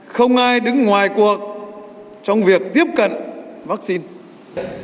không ai đứng ngoài cuộc trong việc tiếp cận vaccine